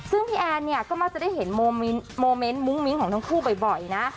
ซึ่งพี่แอนเนี่ยก็มักจะได้เห็นโมเมนต์มุ้งมิ้งของทั้งคู่บ่อยนะ